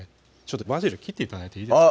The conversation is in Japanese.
バジル切って頂いていいですか？